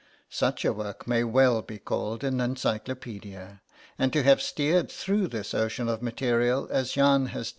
Such a work may well be called an Encyclopaedia; and to have steered through this ocean of material as Jahn has {PREFACE.